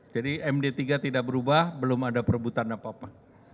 jadi md tiga tidak berubah belum ada perebutan apa apa